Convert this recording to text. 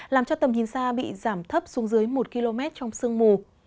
làm cho tầm nhìn xa bị giảm thấp xuống dưới một km trong sương mù